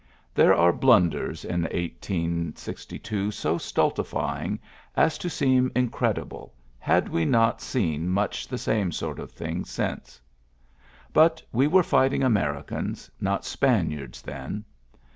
There are blunders in 1862 so stultifying as to seem incredi ble, had we not seen much the same sort of thing since. But we were fight ing Americans, not Spaniards, then.